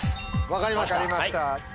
分かりました。